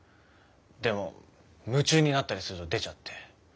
でも夢中になったりすると出ちゃって。